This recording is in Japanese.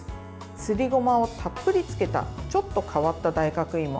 すりごまをたっぷりつけたちょっと変わった大学いも。